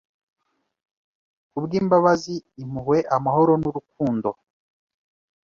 Kubwimbabazi impuhwe amahoro nurukundo